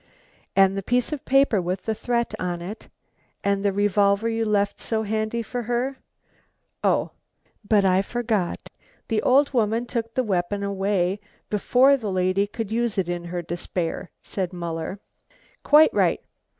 "And the piece of paper with the threat on it? and the revolver you left so handy for her? oh, but I forgot, the old woman took the weapon away before the lady could use it in her despair," said Muller. "Quite right.